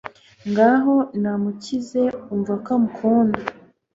Ngaho namukize umva ko amukunda